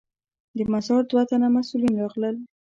د مزار دوه تنه مسوولین راغلل.